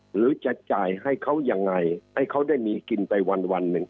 หรือจะจ่ายให้เขายังไงให้เขาได้มีกินไปวันหนึ่ง